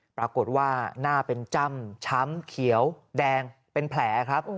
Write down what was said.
ปรากฏว่าหน้าเป็นจ้ำช้ำเขียวแดงเป็นแผลครับ